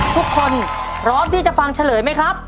พร้อมที่จะฟังเฉลยไหมครับ